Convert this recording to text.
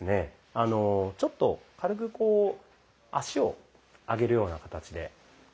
あのちょっと軽くこう足を上げるような形で。